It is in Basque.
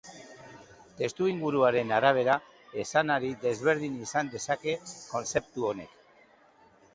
Testuinguruaren arabera esanahi desberdin izan dezake kontzeptu honek.